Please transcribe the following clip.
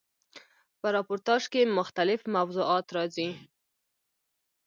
په راپورتاژ کښي مختلیف موضوعات راځي.